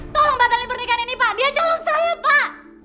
tolong batalin pernikahan ini pak dia colok saya pak